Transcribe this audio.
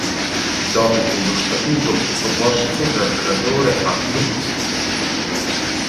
Dopo che lo Statuto proposto dal relatore avv.